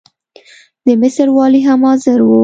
د مصر والي هم حاضر وو.